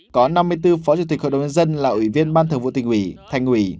có năm mươi bốn phó chủ tịch hội đồng nhân dân là ủy viên ban thường vụ tỉnh ủy thành ủy